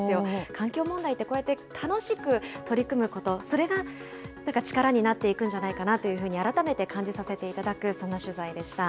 環境問題ってこうやって楽しく取り組むこと、それが力になっていくんじゃないかなというふうに改めて感じさせていただく、そんな取材でした。